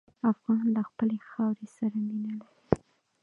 افغان له خپلې خاورې سره مینه لري.